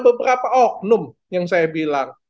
beberapa oknum yang saya bilang